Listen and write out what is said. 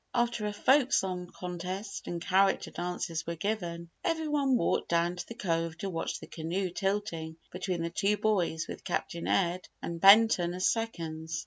After a Folk Song contest and Character Dances were given, every one walked down to the Cove to watch the canoe tilting between the two boys with Captain Ed and Benton as seconds.